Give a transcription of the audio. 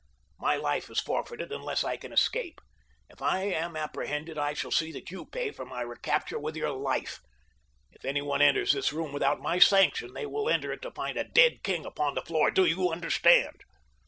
"My life is forfeited unless I can escape. If I am apprehended I shall see that you pay for my recapture with your life—if any one enters this room without my sanction they will enter it to find a dead king upon the floor; do you understand?"